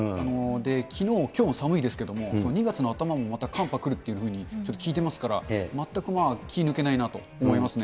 きのう、きょうも寒いですけれども、２月の頭も、また寒波来るっていうふうに聞いてますから、全く気抜けないなと思いますね。